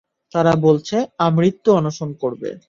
তারা বলছে আমৃত্যু অনশন করবে।